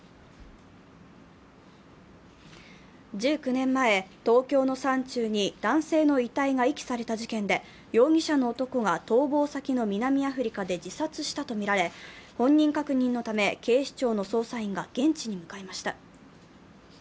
１９年前、東京の山中に男性の遺体が遺棄された事件で、容疑者の男が逃亡先の南アフリカで自殺したとみられ本人確認のため、警視庁の捜査員が現地に向かいました。